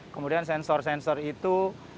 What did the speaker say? kemudian sensor sensor itu